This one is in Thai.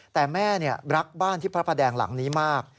แต่แม่รักบ้านที่พระประแดงหลังนี้มาก